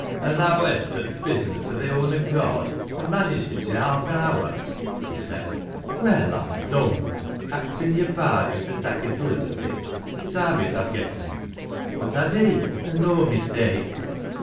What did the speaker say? " An' tha went at th' business o' thy own acccrd an" managt it i' haaf an hour !" he said. " Well, I'm dom'd,— Bxiu your pardin fur takkin th' liberty ; it's a habit I'vo gotten — but I be, an' no mistake."